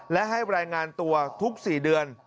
และให้รายงานตัวทุก๔เดือน